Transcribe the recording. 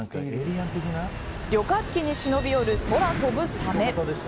旅客機に忍び寄る空飛ぶサメ。